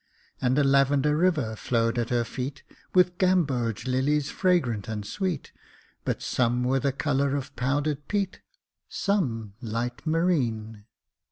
And a lavender river flowed at her feet With gamboge lilies fragrant and sweet, But some were the color of powdered peat, Some light marine.